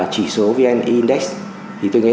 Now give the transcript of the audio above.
chỉ số vn index thì tôi nghĩ